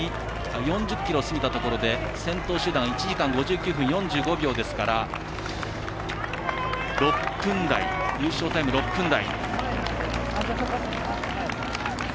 残り４０ｋｍを過ぎたところで先頭集団１時間５９分４２秒ですから優勝タイム６分台。